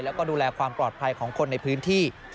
แล้วก็ดูแลความปลอดภัยของคนในพื้นที่